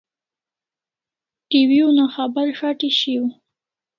TV una khabar shati shiaw